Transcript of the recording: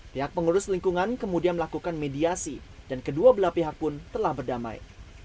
pihak pengurus lingkungan kemudian melakukan mediasi dan kedua belah pihak pun telah berdamai